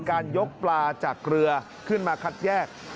การยกปลาจากเรือขึ้นมาคัดแยก